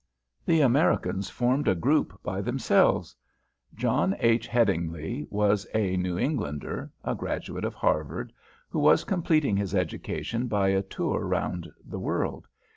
The Americans formed a group by themselves. John H. Headingly was a New Englander, a graduate of Harvard, who was completing his education by a tour round the world.